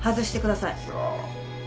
そう。